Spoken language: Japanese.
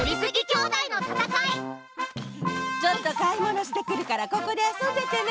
ちょっとかいものしてくるからここであそんでてね。